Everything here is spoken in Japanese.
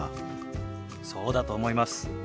そうだと思います。